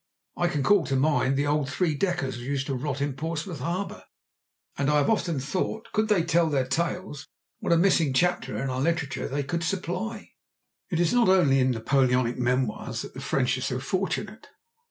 I can call to mind the old three deckers which used to rot in Portsmouth Harbour, and I have often thought, could they tell their tales, what a missing chapter in our literature they could supply. It is not only in Napoleonic memoirs that the French are so fortunate.